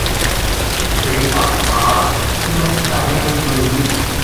При Аптаат има стари развалини.